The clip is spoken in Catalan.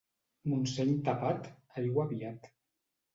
Montseny tapat, aigua aviat.